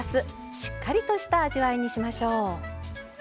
しっかりとした味わいにしましょう。